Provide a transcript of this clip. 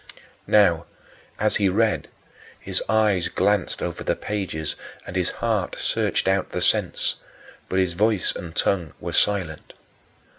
Now, as he read, his eyes glanced over the pages and his heart searched out the sense, but his voice and tongue were silent.